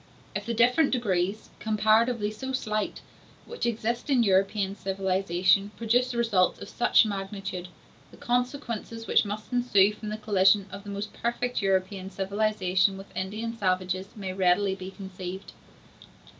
If the different degrees—comparatively so slight—which exist in European civilization produce results of such magnitude, the consequences which must ensue from the collision of the most perfect European civilization with Indian savages may readily be conceived.